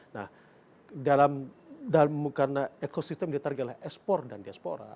nah dalam karena ekosistem ditargilah ekspor dan diaspora